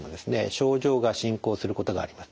症状が進行することがあります。